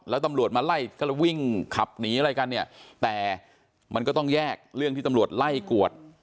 แล้วตำรวจมาไล่ก็เลยวิ่งขับหนีอะไรกันเนี่ยแต่มันก็ต้องแยกเรื่องที่ตำรวจไล่กวด